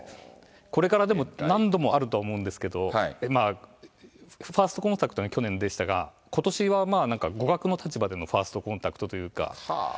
これからでも、何度もあるとは思うんですけど、ファーストコンタクトが去年でしたが、ことしはなんか、互角の立場でのファーストコンタクトというか。